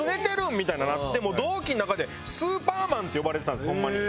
みたいになって同期の中でスーパーマンって呼ばれてたんですホンマに。